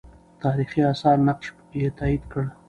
تاریخي آثار نقش یې تایید کړ.